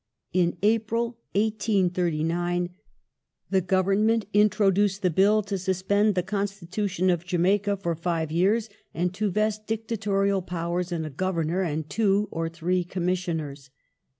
In April, 1839, the Government introduced the Bill to suspend the Constitution of Jamaica for five yeai"s, and to vest dictatorial powers in a Governor and two or three Commissioners.